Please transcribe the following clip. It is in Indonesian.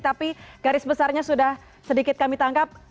tapi garis besarnya sudah sedikit kami tangkap